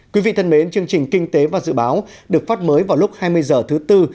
quý vị thân mến chương trình kinh tế và dự báo được phát mới vào lúc hai mươi h thứ tư